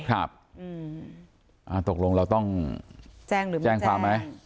ครับตกลงเราต้องแจ้งความไหม